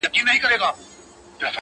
هينداره و هيندارې ته ولاړه ده حيرانه’